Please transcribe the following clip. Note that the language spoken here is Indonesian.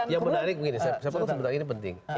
yang menarik begini saya mau sebutkan ini penting